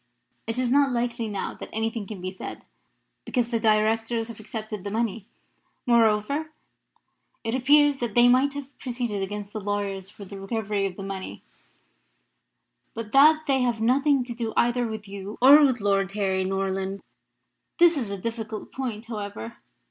It is not likely now that anything can be said, because the Directors have accepted the money. Moreover, it appears that they might have proceeded against the lawyers for the recovery of the money, but that they have nothing to do either with you or with Lord Harry Norland. That is a difficult point, however.